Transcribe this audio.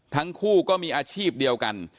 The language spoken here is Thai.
ทั้งคู่ก็มีอาชีพเดียวกัน